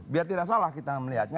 biar tidak salah kita melihatnya